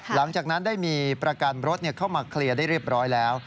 หลังจากนั้นได้มีประกันรถเข้ามาเคลียร์ได้เรียบร้อยแล้ว